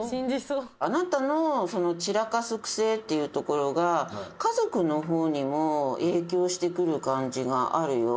あなたのその散らかす癖っていうところが家族の方にも影響してくる感じがあるよ。